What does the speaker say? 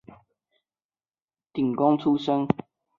廪贡出身。